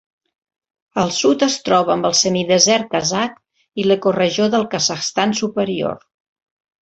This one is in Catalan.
Al sud es troba amb el semidesert kazakh i l'ecoregió del Kazakhstan superior.